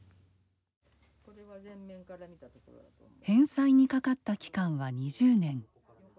返済にかかった期間は２０年。